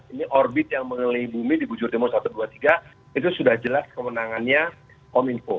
ini orbit yang mengenai bumi di bujur timur satu ratus dua puluh tiga itu sudah jelas kewenangannya kominfo